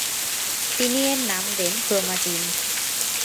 তিনি এর নাম দেন ক্রোমাটিন।